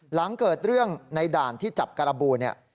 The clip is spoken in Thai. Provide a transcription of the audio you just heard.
หลังเกิดเรื่องในด่านที่จับการบูเนี่ย